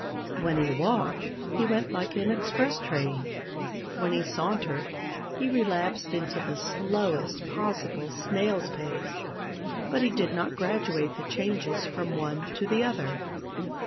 When he walked he went like an express train; when he sauntered he relapsed into the slowest possible snail's pace, but he did not graduate the changes from one to the other.